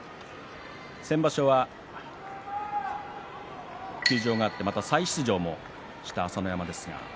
先場所は休場があって再出場した朝乃山です。